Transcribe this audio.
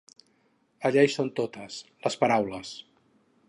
Allà hi són totes, les paraules.